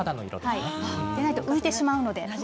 でないと浮いてしまうので。